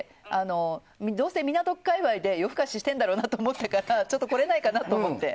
どうせ港区界隈で夜更かししてるだろうなと思ったからちょっと来れないかなと思って。